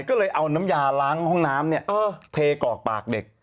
ก็เลยเอาน้ำยาล้างห้องน้ำเทกรอกปากเด็ก